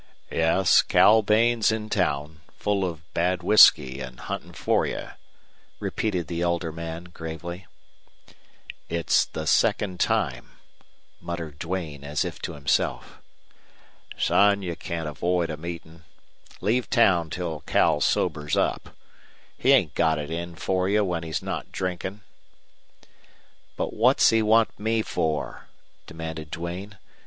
"Yes, Cal Bain's in town, full of bad whisky an' huntin' for you," repeated the elder man, gravely. "It's the second time," muttered Duane, as if to himself. "Son, you can't avoid a meetin'. Leave town till Cal sobers up. He ain't got it in for you when he's not drinkin'." "But what's he want me for?" demanded Duane.